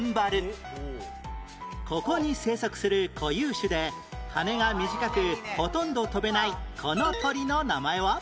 ここに生息する固有種で羽が短くほとんど飛べないこの鳥の名前は？